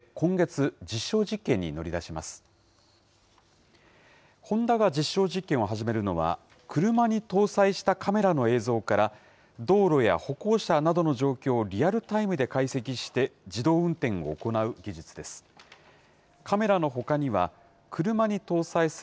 ホンダが実証実験を始めるのは、車に搭載したカメラの映像から道路や歩行者などの状況をリアルタイムで解析して自動運転を行う技術です。